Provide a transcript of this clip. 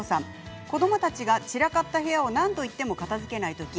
子どもたちが散らかった部屋を何度言っても片づけないとき。